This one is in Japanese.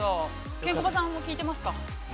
ケンコバさんも効いてますか。